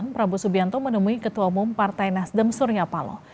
prabowo subianto menemui ketua umum partai nasdem surya paloh